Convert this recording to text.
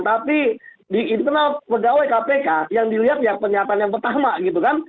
tapi di internal pegawai kpk yang dilihat ya pernyataan yang pertama gitu kan